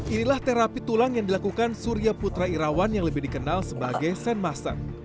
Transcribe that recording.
inilah terapi tulang yang dilakukan surya putra irawan yang lebih dikenal sebagai sen master